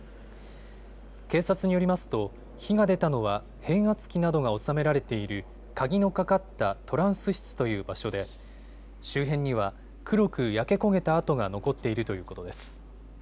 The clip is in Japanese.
警察によりますと火が出たのは変圧器などが収められている鍵のかかったトランス室という場所で周辺には黒く焼け焦げた跡が残っているということです。